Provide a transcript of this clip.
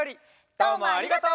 どうもありがとう。